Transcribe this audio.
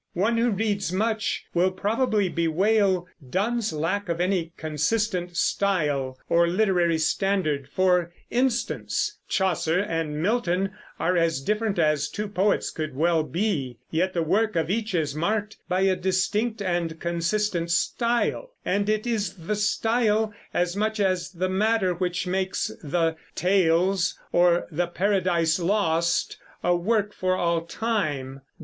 One who reads much will probably bewail Donne's lack of any consistent style or literary standard. For instance, Chaucer and Milton are as different as two poets could well be; yet the work of each is marked by a distinct and consistent style, and it is the style as much as the matter which makes the Tales or the Paradise Lost a work for all time.